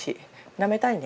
なめたいね